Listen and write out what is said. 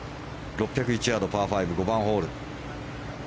６０１ヤードパー５、５番ホール。